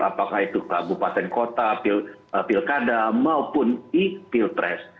apakah itu kabupaten kota pilkada maupun di pilpres